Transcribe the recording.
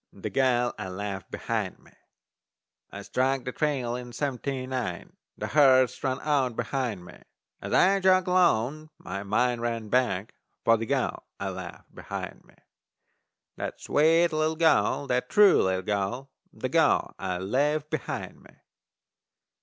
THE GAL I LEFT BEHIND ME I struck the trail in seventy nine, The herd strung out behind me; As I jogged along my mind ran back For the gal I left behind me. That sweet little gal, that true little gal, The gal I left behind me!